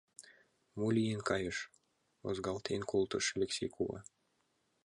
Мо лийын кайыш!! — ызгалтен колтыш Элексей кува.